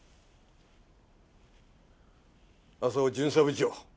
浅尾巡査部長。